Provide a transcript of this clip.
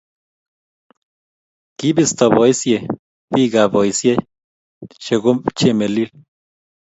kibistoo boisie biikab boisie che ko Chemelil.